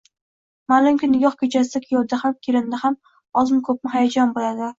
Ma’lumki, nikoh kechasida kuyovda ham, kelinda ham ozmi-ko‘pmi hayajon bo‘ladi.